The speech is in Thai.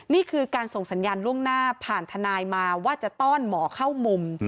นี่คือการส่งสัญญาณล่วงหน้าผ่านทนายมาว่าจะต้อนหมอเข้ามุม